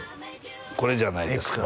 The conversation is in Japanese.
これじゃないですか